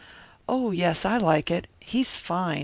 "Oh, yes, I like it. He's fine.